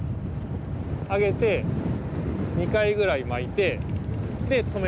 上げて２回ぐらい巻いてで止める。